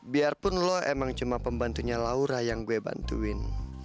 biarpun lu emang cuma pembantunya laura yang gua bantuin